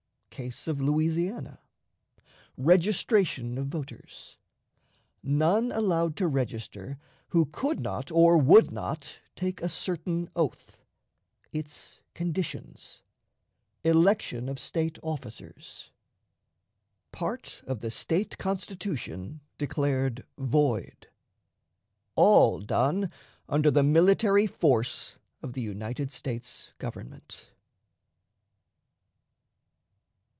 Case of Louisiana. Registration of Voters. None allowed to register who could not or would not take a Certain Oath; its Conditions. Election of State Officers. Part of the State Constitution declared void. All done under the Military Force of the United States Government.